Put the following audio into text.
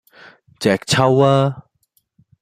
隻揪吖!